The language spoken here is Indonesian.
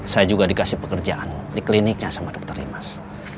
saya juga dikasih pekerjaan di kliniknya sama dokter imas